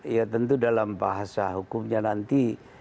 ya tentu dalam bahasa hukumnya nanti